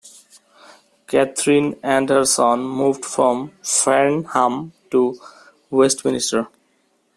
Catherine and her son moved from Farnham to Westminster.